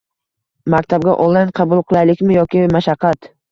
Maktabga onlayn qabul. Qulaylikmi yoki mashaqqat?